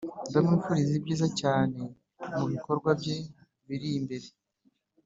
ndamwifuriza ibyiza cyane mubikorwa bye biri imbere.